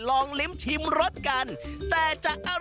โรงโต้งคืออะไร